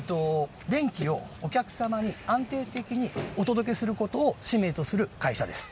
電気をお客様に安定的にお届けする事を使命とする会社です。